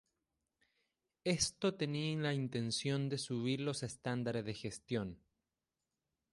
Esto tenía la intención de subir los estándares de gestión.